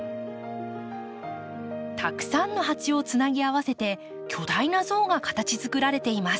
たくさんのハチをつなぎ合わせて巨大な像が形作られています。